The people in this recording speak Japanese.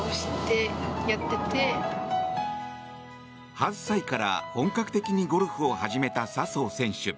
８歳から本格的にゴルフを始めた笹生選手。